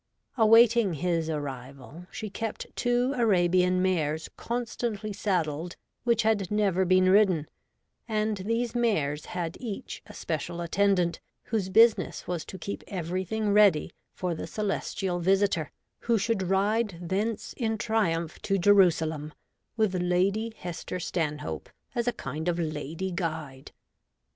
Awaiting His arrival, she kept two Arabian mares constantly saddled which had never been ridden, and these mares had each a special attendant whose business was to keep everything ready for the celestial visitor, who should ride thence in triumph to Jerusalem with Lady Hester Stanhope as a kind of lady guide